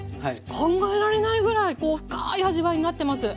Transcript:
考えられないぐらいこう深い味わいになってます。